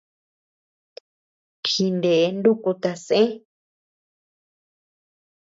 Jine nuku tasé.